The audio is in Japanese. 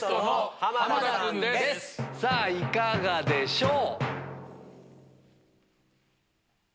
さぁいかがでしょう？